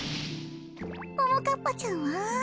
ももかっぱちゃんは？